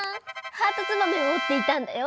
ハートツバメをおっていたんだよ。